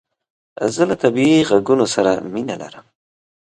زه له طبیعي عږونو سره مینه لرم